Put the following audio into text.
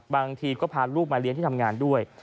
บางทีก็พาลูกมาเลี้ยงที่ทำงานด้วย